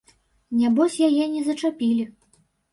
Нябось яе не зачапілі.